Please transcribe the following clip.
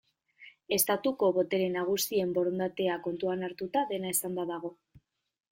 Estatuko botere nagusien borondatea kontuan hartuta, dena esanda dago.